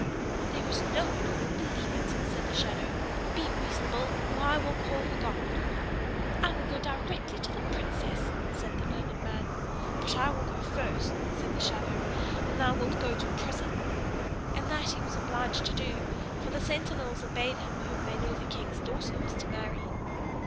"There is no one who will believe it!" said the shadow. "Be reasonable, or I will call the guard!" "I will go directly to the princess!" said the learned man. "But I will go first!" said the shadow. "And thou wilt go to prison!" and that he was obliged to do for the sentinels obeyed him whom they knew the king's daughter was to marry.